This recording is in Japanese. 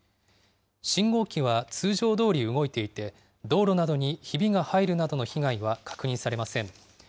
信号機は通常どおり動いていて、道路などにひびが入るなどの被害は確認されません。